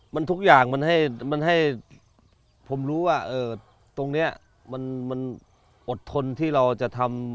มันทุกอย่างมันให้มันให้ผมรู้ว่าตรงนี้มันอดทนที่เราจะทำ